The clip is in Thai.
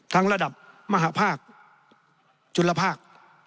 ระดับมหาภาคจุลภาค